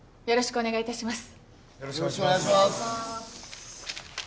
よろしくお願いします。